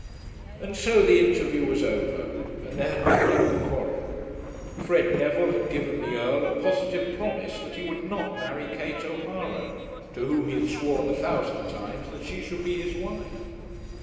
And so the interview was over, and there had been no quarrel. Fred Neville had given the Earl a positive promise that he would not marry Kate O'Hara, to whom he had sworn a thousand times that she should be his wife.